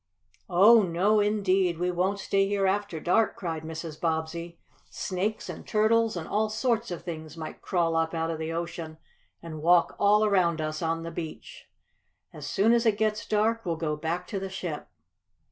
"Oh, no indeed! We won't stay here after dark!" cried Mrs. Bobbsey. "Snakes and turtles and all sorts of things might crawl up out of the ocean and walk all around us on the beach. As soon as it gets dark we'll go back to the ship."